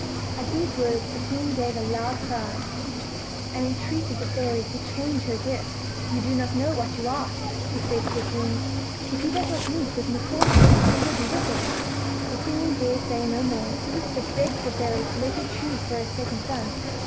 At these words the queen gave a loud cry, and entreated the fairy to change her gift. "You do not know what you ask," said she to the queen; "if he does not meet with misfortunes he will be wicked." The queen durst say no more, but begged the fairy to let her choose for her second son.